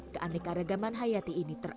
keaneka ragaman hayati ini tidak bisa diperlukan